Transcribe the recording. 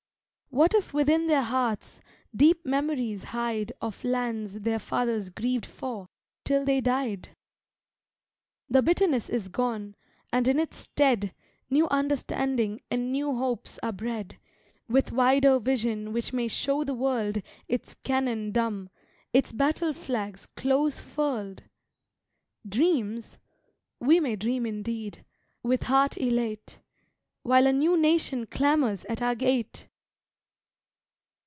What if within their hearts deep memories hide Of lands their fathers grieved for, till they died? The bitterness is gone and in its stead New understanding and new hopes are bred, With wider vision which may show the world Its cannon dumb, its battle flags close furled! Dreams? We may dream indeed, with heart elate, While a new Nation clamors at our gate!